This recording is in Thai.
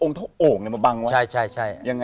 องค์เท่าโอ่งมาบังไว้ใช่